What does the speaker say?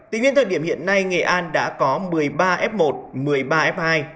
tính đến thời điểm hiện nay nghệ an đã có một mươi ba f một một mươi ba f hai